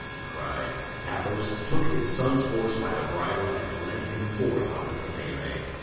he cried. Athos took his son's horse by the bridle and led him forth out of the melee.